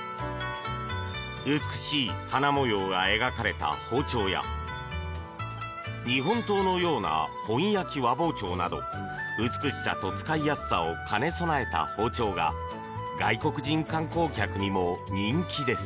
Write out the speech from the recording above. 美しい花模様が描かれた包丁や日本刀のような本焼き和包丁など美しさと使いやすさを兼ね備えた包丁が外国人観光客にも人気です。